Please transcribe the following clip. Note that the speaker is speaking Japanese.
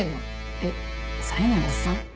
えっさえないおっさん？